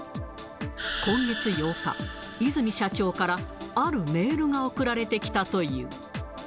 今月８日、和泉社長から、あるメールが送られてきたという。